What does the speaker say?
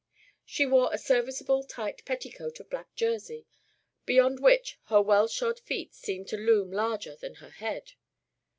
She wore a serviceable tight petticoat of black jersey, beyond which her well shod feet seemed to loom larger than her head.